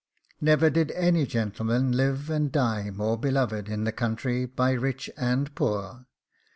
Never did any gentleman live and die more beloved in the country by rich and poor.